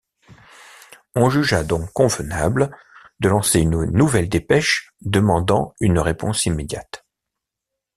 On jugea donc convenable de lancer une nouvelle dépêche, demandant une réponse immédiate.